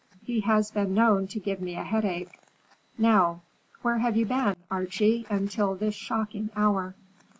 He has been known to give me a headache. Now, where have you been, Archie, until this shocking hour?"